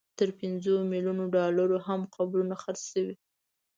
تر پنځو ملیونو ډالرو هم قبرونه خرڅ شوي.